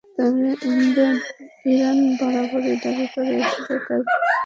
তবে ইরান বরাবর দাবি করে এসেছে তার পরমাণু কর্মসূচি পুরোপুরি শান্তিপূর্ণ।